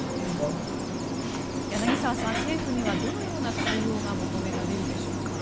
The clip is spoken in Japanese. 柳澤さん、政府にはどのような対応が求められるでしょうか。